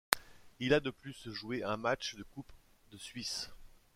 Il a de plus joué un match de Coupe de Suisse.